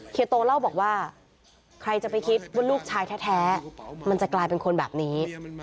โตเล่าบอกว่าใครจะไปคิดว่าลูกชายแท้มันจะกลายเป็นคนแบบนี้